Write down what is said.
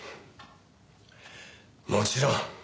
もちろん。